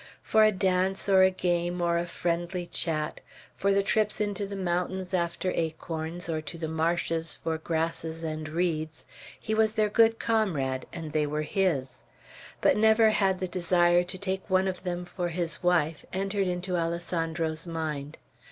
For a dance, or a game, or a friendly chat, for the trips into the mountains after acorns, or to the marshes for grasses and reeds, he was their good comrade, and they were his; but never had the desire to take one of them for his wife, entered into Alessandro's mind.